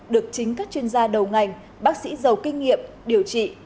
được chính các chuyên gia đầu ngành bác sĩ giàu kinh nghiệm điều trị